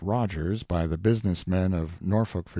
ROGERS BY THE BUSINESS MEN OF NORFOLK, VA.